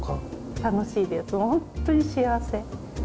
楽しいです、本当に幸せ。